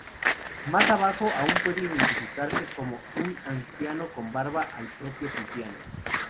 Más abajo aún puede identificarse, como un anciano con barba, al propio Tiziano.